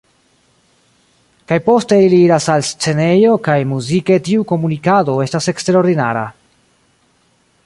Kaj poste ili iras al scenejo kaj muzike tiu komunikado estas eksterordinara"".